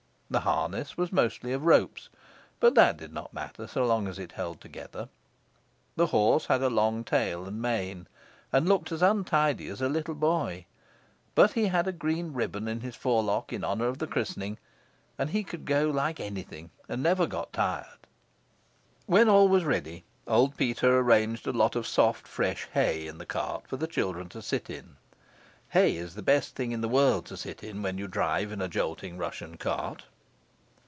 The harness was mostly of ropes, but that did not matter so long as it held together. The horse had a long tail and mane, and looked as untidy as a little boy; but he had a green ribbon in his forelock in honour of the christening, and he could go like anything, and never got tired. When all was ready, old Peter arranged a lot of soft fresh hay in the cart for the children to sit in. Hay is the best thing in the world to sit in when you drive in a jolting Russian cart.